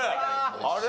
あれ？